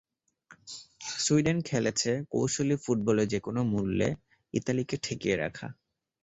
Sweden খেলেছে কৌশলী ফুটবলই যেকোনো মূল্যে ইতালিকে ঠেকিয়ে রাখা।